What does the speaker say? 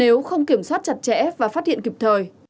nếu không kiểm soát chặt chẽ và phát hiện kịp thời